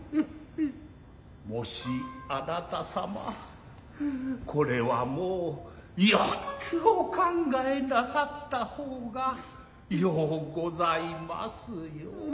もしあなたさまこれはもうよっくお考えなさったほうがようございますよ。